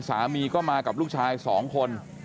สามีก็มากับลูกชาย๒คน